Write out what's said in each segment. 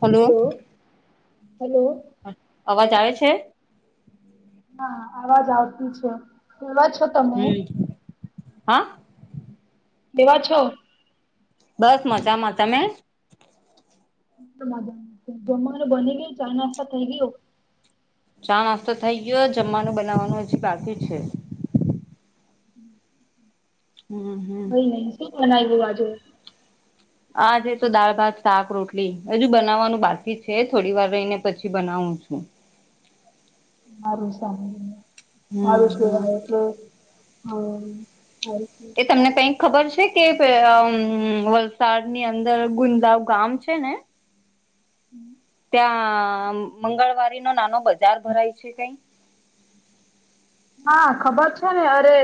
Hello hello અવાજ આવે છે, હા અવાજ આવતી છે, તઅવજ. હું, હા. દેવા છો, બસ મજામાં તમે, હુ તો મજા જમવાનું બની ગયું ચા- નાસ્તા થઈ ગયો. ચા-નાસ્તો થઈ ગયો, જમવાનું બનાવાનું હજી બાકી છે. હમ હમ કોઈ નહીં શું બનાવ્યું આજે. આજ તો દાળ-ભાત, શાક-રોટલી હજુ બનાવવાનું બાકી છે, થોડી વાર રહીને પછી બનાવું છું. મારું સાભ હમ મારું કે હમ એટલે, હા થાઈ એ તમને કંઈક ખબર છે, કે વલસાડની અંદર ગુંદાવ ગામ છે, ને [inaudible] ત્યાં મંગળવારીનો નાનો બજાર ભરાય છે, કંઈ હા, ખબર છે, ને અરે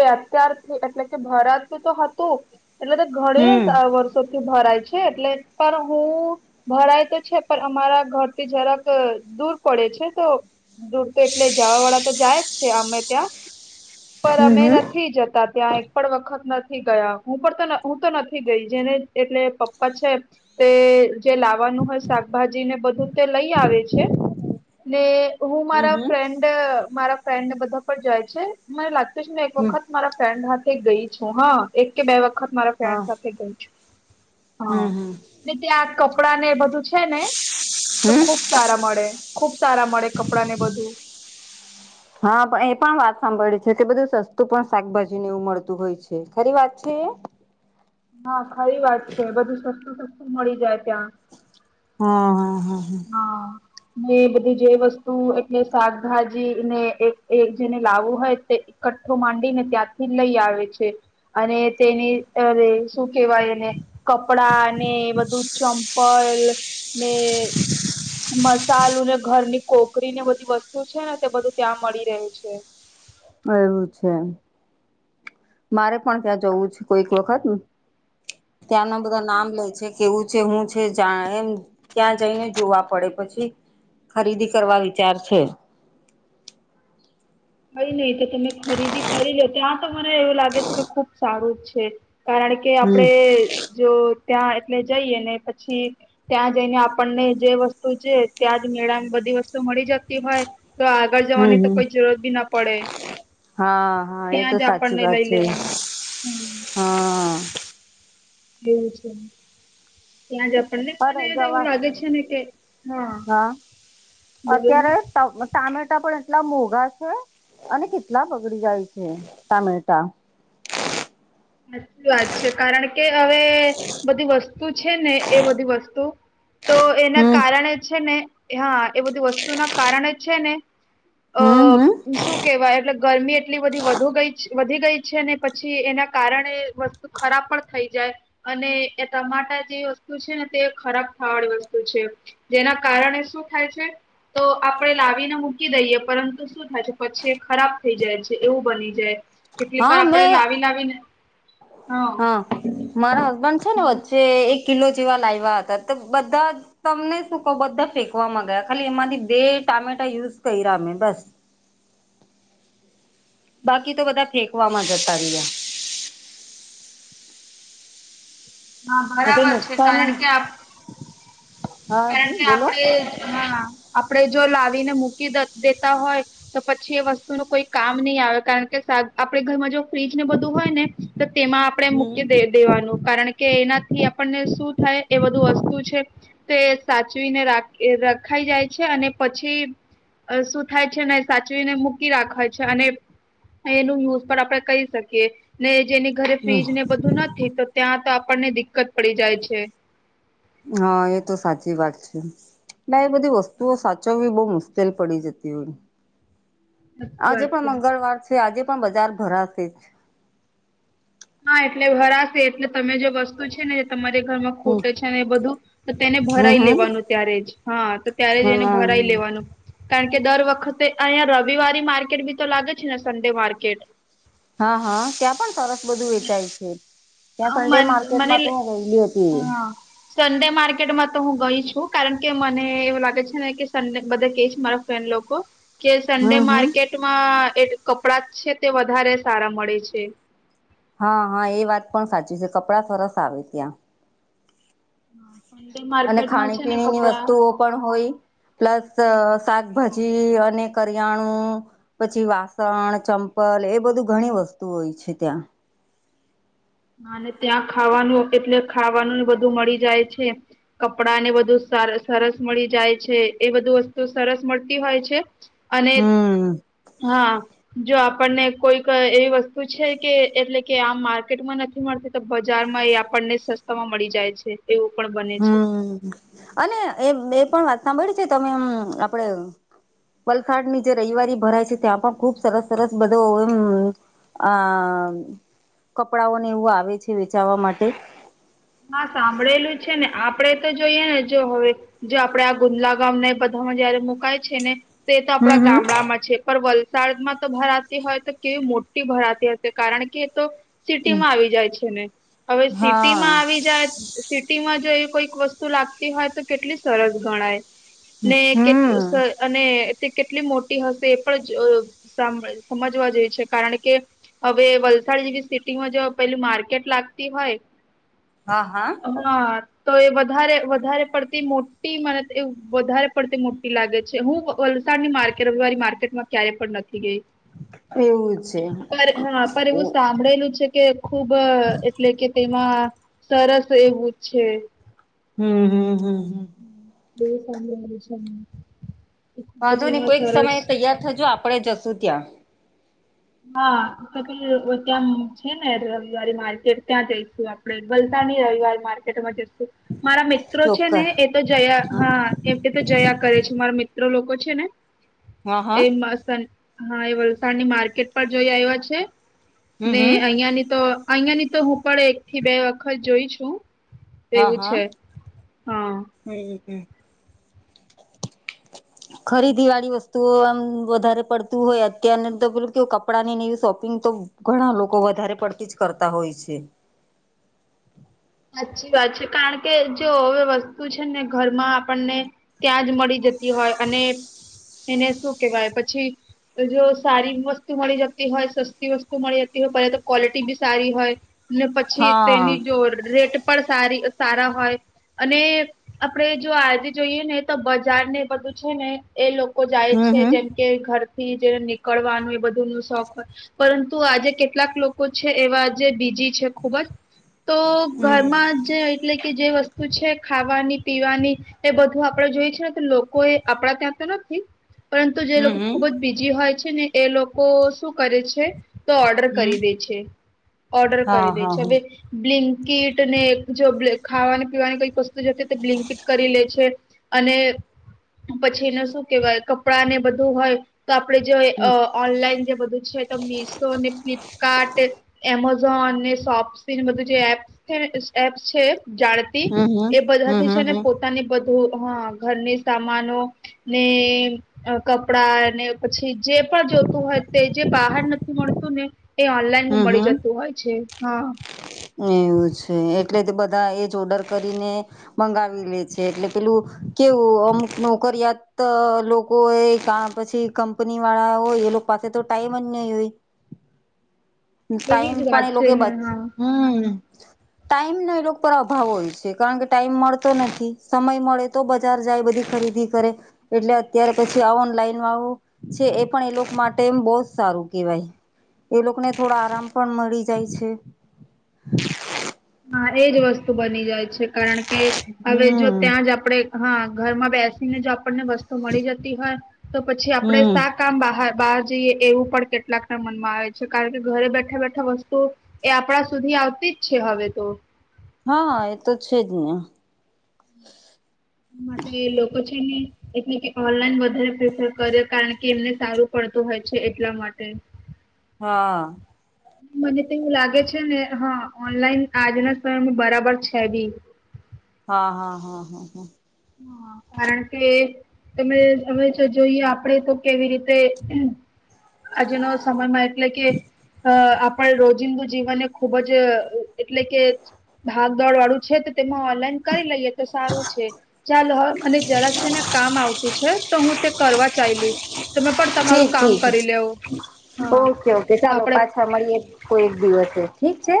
એ અત્યારથી એટલે કે ભરાતું તો હતું. એટલે તો ઘણી હમ વર્ષોથી ભરાય છે, એટલે પણ હું. ભરાય તો છે, પણ અમારા ઘરથી જરાક દૂર પડે છે, તો દૂર તો એટલે જવાવાળા તો જાય. છે અમે ત્યાં પર અમે હમ નથી જતા ત્યાં, પણ વખત નથી ગયા હું પણ હું તો નથી ગઈ, જેને એટલે પપ્પા છે. તેજે લાવાનું હોય શાકભાજી ને બધું તે લઈ આવે છે. ને હું હમ મારા હમ ફ્રેન્ડ મારા, ફ્રેન્ડ ને બધા પણ જાય છે, મને લાગતું છે, ને એક હમ વખત. મારા ફ્રેન્ડ હાથે ગઈ છું, હા એક કે બે વખત મારા હા ફ્રેન્ડ સાથે ગઈ છું. હા, હમ હમ ને ત્યાં કપડાં નેએ બધું છે ને તો ખુબ. હમ ખુબ સારા મળે ખુબ સારા મળે કપડા ને બધું, હા પણ એ પણ વાત સાંભળે છે, કે બધું સસ્તું પણ શાકભાજી ને એવું મળતું હોય છે, ખરી વાત છે. હા ખારી વાત છે, બધું સસ્તું સસ્તું મળી જાય ત્યાં. હા, હા, હા, હા. એ બધી જે વસ્તુ એટલે શાકભાજી ને એક જેને લાવવું હોયતે, કટકો માંડીને ત્યાંથી જ લઈ આવે છે. અને તેની અરે શું કેહેવાય એને? કપડા ને બધું ચંપલ ને મસાલું ને ઘરની કોકરી ને બધી વસ્તુ છે ને તે બધું ત્યાં મળી રહે છે એવું છે. મારે પણ ત્યાં જવું છે કોઈક વખત. ત્યાંના બધા નામ લેય છે કેવું છે હું છે જા એમ ત્યાં જઈને જોવા પડે પછી ખરીદી કરવા વિચાર છે. કઈ નહી તો તમે ખરીદી કરી લો ત્યાં તો મને એવું લાગે છે કે ખુબ સારું જ છે કારણ કે હમ આપડે જો ત્યાં એટલે જઈએ ને પછી ત્યાં જઈને આપણને જે વસ્તુ છે ત્યાં જ મેળાની બધી વસ્તુ મળી જતી હોય. તો આગળ હમ જવાની તો હમ કોઈ જરૂરત બી ના પડે હા હા એ તો ત્યાં જ સાચી આપણને વાત લઈ છે. લેવાનું હમ હા. એવું છે ત્યાં જ આપણને અરે મને જવા એવું લાગે છે ને કે હા બોલો ને અત્યારે [inaudible] ટામેટા પણ એટલા મોઘા છે અને કેટલા બગડી જાય છે ટામેટા. હાચી વાત છે કારણ કે હવે બધી વસ્તુ છે ને એ બધી વસ્તુ તો એના હમ કારણે છે ને હા એ બધી વસ્તુ ના કારણે છે ને અ હમ હમ. શું કેવાય એટલે ગરમી એટલી બધી વધુ ગઈ વધી ગઈ છે ને પછી એના કારણે વસ્તુ ખરાબ પણ થઈ જાય. અને એ તમાટા જે વસ્તુ છે ને તે ખરાબ થાવા વાળી વસ્તુ છે. જેના કારણે શું થાય છે તો આપણેે લાવીને મૂકી દઈએ પરંતુ શું થાય છે પછી એ ખરાબ થઈ જાય છે એવું બની જાય કેટલીક હા વાર આપણે મેં લાવી લાવીને હા મારા હસબન્ડ છે ને હા વચ્ચે એક કિલો જેવા લાવ્યા હતા તો બધા તમને શું કવુ બધા ફેંક માં ગયા ખાલી એમાંથી બે ટામેટા યુઝ કર્યા અમે બસ. બાકી તો બધા ફેંકવામાં જતા રહ્યા. હા એ તો બરાબર છે નુકસાની કારણ કે આપ હા કારણ જી કે બોલો આપડે હા. આપણે જો લાવીને મૂકી દે દેતા હોય. તો પછી એ વસ્તુ ન કોઈ કામ નહી આવે કારણ કે આપે ઘરમાં જો ફ્રીજને બધું હોય ને તો તેમાં આપણેે હમ મૂકી દે દેવાનું કારણ કે કે એનાથી આપણને શું થાય એ બધું વસ્તુ છે. તે સાચવીને રાખ રખાઈ જાય છે અને પછી શું થાય છે ને સાચવીને મૂકી રાખવા છે અને એનું ન્યૂઝ પણ આપડે કહી શકીએ ને જેની ઘરે ફ્રીજ ને બધું નથી તો ત્યાં તો આપણને દિક્કત પડી જાય છે. હા એ તો સાચી વાત છે ને એ બધી વસ્તુઓ સાચવવી બહુ મુસ મુશ્કેલ પડી જતી હોય સાચી આજે વાત પણ છે. મંગળવાર છે. તે આજે પણ બજાર ભરાશે જ. હા એટલે ભરાસે એટલે તમે જે વસ્તુ છે ને જે તમારી ઘરમાં હમ ખોટે છે એ બધું તો તેને હમ ભરાઈ લેવાનું હમ ત્યારે જ હા તો ત્યારે જ એને ભરાઈ હમ લેવાનું. કારણ કે દર વખતે અહીંયા રવિવારી માર્કેટ બી તો લાગે છે ને સન્ડે માર્કેટ હા હા ત્યાં પણ સરસ બધું વેચાય છે. ત્યાં સંડે મન માર્કેટ મને માં તો ગયલી હતી. હા સન્ડે માર્કેટમાં તો હું ગઈ છું કારણ કે મને એવું લાગે છે ને કે સન્ડે બધા કે મારા ફ્રેન્ડલોકો કે સન્ડે હમ હમ માર્કેટમાં એ કપડા છે તે વધારે સારા મળે છે. હા હા એ વાત પણ સાચી છે કપડાં સરસ આવે ત્યાં. સન્ડે અને માર્કેટમાં ખાણી છે ને પીણી ની કપડા વસ્તુઓ પણ હોય પ્લસ શાક ભાજી અને કરિયાણું પછી વાસણ ચંપલ એ બધું ઘણી વસ્તુ હોય છે ત્યાં અને ત્યાં ખાવાનું એટલે ખાવાનું ને બધું મળી જાય છે. કપડા ને બધું સરસ મળી જાય છે એ બધું વસ્તુ સરસ મળતી હોય છે. અને હમ હા જો આપણને કોઈક એવી વસ્તુ છે કે એટલે કે આમ માર્કેટમાં નથી મળતી તો બજારમાં એ આપણને સસ્તા માં મળી જાય છે. એવું પણ બને છે. હમ અને એ એ પણ વાત સાંભળીયુ છે તમે હમ્મ આપળે વલસાડ ની જે રવિવારી ભરાય છે ત્યાં પણ ખુબ સરસ સરસ બધુ ઓ યમમ આ કપડાઓને એવું આવે છે વેચાવા માટે ના સાંભળેલું છે ને આપડે તો જોઈએ ને જો હવે જો આપડે આ ગુંદલા ગામ ને બધામાં જયારે મુકાય છે ને તો એતો આપડા હમ ગામડામાં છે. પર વલસાડમાં તો ભરાતી હોય તો કેવી મોટી ભરાતી હશે કારણ કે તો સિટી હમ માં આવી જાય છે ને હવે સિટી હા માં જાય સિટીમાં જો એવી કોઈક વસ્તુ લાગતી હોય તો કેટલી સરસ ગણાય ને હમ કેટલું સ અને તે કેટલી મોટી હશે એ પણ જ અ સામ સમજવા જેવી છે કારણ કે હવે વલસાડ જેવી સિટીમાં જો પેલું માર્કેટ લાગતી હોય હા હા હા તો એ વધારે વધારે પડતી મોટી મને તો એવું વધારે પડતી મોટી લાગે છે હું ની માર્કેટ રવિવારી માર્કેટમાં ક્યારેય પણ નથી ગઈ એવું છે પર હા પણ એવું સાંભળેલું છે કે ખુબ એટલે કે તેમાં સરસ એવું છે હમ હમ હમ હમ બે સાંભળવાનું છે. એ ખૂબ વાંધો જ નહી એમાં કોઈક સમયે સરસ તૈયાર થજો આપડે જશું ત્યાં હા પ ત્યાં છે ને રવિવારી માર્કેટ ત્યાં જઈશું આપડે વલસાની રવિવાર માર્કેટ [unintelligible] મારા મિત્રો છે ને ચોક્કસ એ તો જયા હા એમ કે તો જયા કરે છે મારા મિત્રો લોકો છે ને હા હા એમાંસા હા એ વલસાડની માર્કેટ પર જોઈ આવ્યા છે હમ ને હમ અહિયાંની તો અહિયા ની તો હું પણ એક થી બે વખત જોઈ છું હ એવું હ છે હા હમ હમ ખરીદી વાળી વસ્તુઓ આમ વધારે પડતું હોય અત્યાર તો પેલું કે કપડાં ની ન એવી શોપિંગ તો ઘણા લોકો વધારે પડતી જ કરતા હોય છે. સાચી વાત છે કારણ કે જો હવે વસ્તુ છે ને ઘરમાં આપણને ત્યાં જ મળી જતી હોય અને એને શું કેવાય પછી જો સારી વસ્તુ મળી જતી હોય સસ્તી વસ્તુ મળી જતી હોય પેલા તો ક્વોલિટી બી સારી હોય ને પછી હા તેની જો રેટ પણ સારી સારા હોય અને આપડે જો આજે જોઈએ ને તો બજાર ને બધું છે ને એ લોકો જાય હમ છે હમ જેમ કે ઘરથી જે નીકળવાનું એ બધું નું શોખ હોય પરંતુ આજે કેટલાક લોકો છે એવા જે બીજી છે ખુબ જ તો હમ ઘરમાંજ એટલે કે જે વસ્તુ છે ખાવાની પીવાની એ બધું આપડે જોય છે કે લોકો એ આપડા ત્યાં આપતા નથી પરંતુ જે લોકો હમ હમ ખુબ જ બીજી હોય છે ને એ લોકો શું કરે છે. તો ઓર્ડર હમ કરી દેય છે ઓર્ડર હા કરી દેય હા છે હા હવે બ્લિંક કીટ ને જો બ્લ ખાવાની પીવાની કઈક વસ્તુ જોતી હોય તો બ્લિટ કરી લે છે અને પછી એને શું કેહેવાય કપડાં ને બધું હોય તો આપડે જો હમ ઓનલાઈન જે બધું છે તો મીશો ને ફ્લિપકાર્ટ એમેઝોન ને સોપ્સી બધું જે એપ છે એપ્સ છે જાણે બી હમ હમ એ બધા હમ થી છે હમ ને હમ પો તાને બધું હા ઘરની સામાનો ને અ કપડા ને પછી જે પણ જોતું હોય તે જે બહાર નથી મળતું ને એ ઓનલાઈન માં હમ મળી હમ જતું હોય છે હા એવું છે એટલે તે બધા એ જ ઓર્ડર કરીને મંગાવી લે છે એટલે પેલું કેવું અમુક નોકરિયાત લોકો એ ક પછી કંપનીવાળા હોય એ લોક પાસે તો ટાઈમ જ નહીં હોય એવી ટાઈમ જ વાત પણ એ છે લોકો ને બત હા હમ ટાઈમ નો એ લોકો પર અભાવ હોય છે કારણ કે ટાઈમ મળતો નથી સમય મળે તો બજાર જાય બધી ખરીદી કરે એટલે અત્યારે પછી આ ઓનલાઈન વાડુ છે એ પણ એ લોકો માટે એમ બહ જ સારું કેવાય ને થોડા આરામ પણ મળી જાય છે હા એજ વસ્તુ બની જાય છે કારણ કે હવે જો હમ ત્યાં જ આપણે હા ઘરમાં બેસીને જો આપણને વસ્તુ મળી જતી હોય તો પછી આપડે હમ શાક કામ બહાર બહાર જઈએ એવું પણ કેટલાક ના મનમાં આવે છે કારણ કે ઘરે બેઠા બેઠા વસ્તુ એ આપણા સુધી આવતી જ છે હવે તો હા એ તો છે જ ને માટે લોકો છે ને એટલે કે ઓનલાઈન વધારે પ્રેફર કરે કારણ કે એમને સારું પડતું હોય છે એટલા માટે હા મને તો એવું લાગે છે ને હા ઓનલાઈન આજના સમય બરાબર છે બી હા હા હા હા હા હા કારણ કે તમે હમે તો જોઈએ આપડે તો કેવી રીતે અજનો સમય મા એટલે કે અ આપણ રોજિંદુ જીવનને ખુબ જ એટલે કે ભાગ દોડ વાળું છે તો તેમાં ઓનલાઈન કરી લઈએ તો સારું છે ચાલ હ અને જરાક છે ને કામ આવતું છે તો હું તે કરવા ચાયલી તમે પણ તમારું ઠીક કામ ઠીક કરી લેઓ ઓકે ઓકે ચાલો પાછા મળીએ કોઈ એક દિવસે ઠીક છે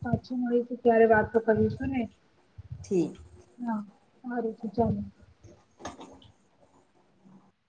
પાછું મળીશું ત્યારે વાતો કર છું ને ઠીક હા હારું છે ચાલે